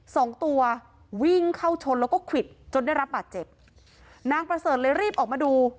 สองตัววิ่งเข้าชนแล้วก็ควิดจนได้รับบาดเจ็บนางประเสริฐเลยรีบออกมาดู